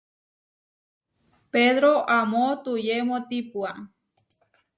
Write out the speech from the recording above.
Pedró amó tuyemótipua.